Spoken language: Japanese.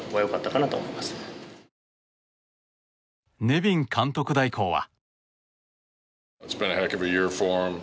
ネビン監督代行は。